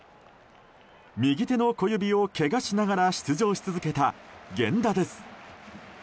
右手の小指をけがしながら出場し続けた源田です。